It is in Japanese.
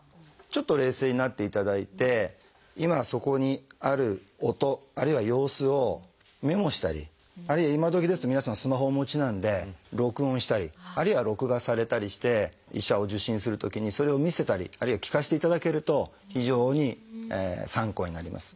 ちょっと冷静になっていただいて今そこにある音あるいは様子をメモしたりあるいは今どきですと皆さんスマホをお持ちなんで録音したりあるいは録画されたりして医者を受診するときにそれを見せたりあるいは聴かせていただけると非常に参考になります。